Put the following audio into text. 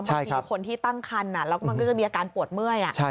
บางทีคนที่ตั้งคันแล้วมันก็จะมีอาการปวดเมื่อย